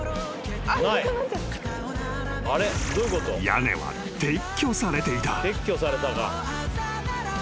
［屋根は撤去されていた］